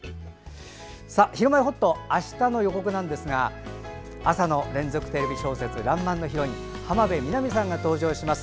「ひるまえほっと」あしたの予告なんですが朝の連続テレビ小説「らんまん」のヒロイン浜辺美波さんが登場します。